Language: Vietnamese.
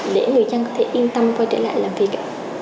để người dân có thể yên tâm quay trở lại làm việc